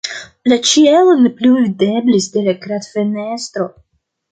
La ĉielo ne plu videblis de la kradfenestro.